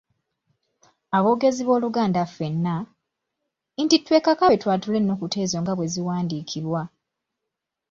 Aboogezi b’Oluganda ffenna, nti twekakabe twatule ennukuta ezo nga bwe ziwandiikibwa.